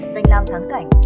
dành làm tháng cảnh